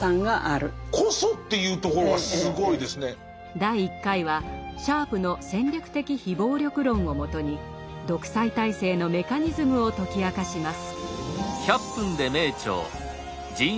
第１回はシャープの戦略的非暴力論をもとに独裁体制のメカニズムを解き明かします。